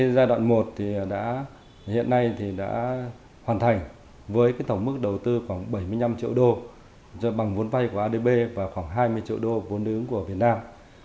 giai đoạn một hiện nay đã hoàn thành với tổng mức đầu tư khoảng bảy mươi năm triệu đô bằng vốn vay của adb và khoảng hai mươi triệu đô vốn đối ứng của việt nam